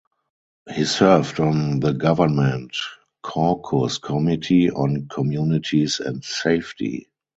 He served on the Government Caucus Committee on Communities and Safety.